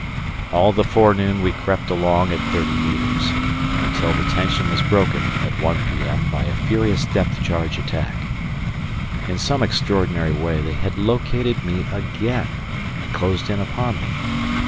All the forenoon we crept along at thirty metres, until the tension was broken at 1 p.m. by a furious depth charge attack. In some extraordinary way they had located me again and closed in upon me.